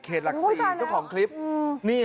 เขตหลักศึกษ์แท้ของคริปนี้ฮะ